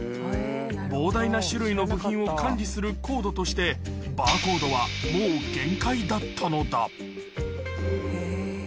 膨大な種類の部品を管理するコードとして、バーコードはもう限界だったのだ。